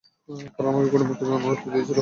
কারণ আমাকে ত্রুটিযুক্ত বিমান উড়াতে দিয়েছিল।